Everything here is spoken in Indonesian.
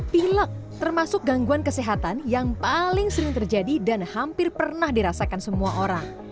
pilek termasuk gangguan kesehatan yang paling sering terjadi dan hampir pernah dirasakan semua orang